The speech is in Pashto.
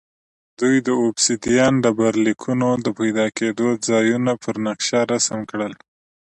دوی د اوبسیدیان ډبرلیکونو د پیدا کېدو ځایونه پر نقشه رسم کړل